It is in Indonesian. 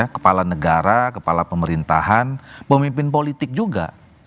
kepala negara kepala pemerintahan pemimpin politik juga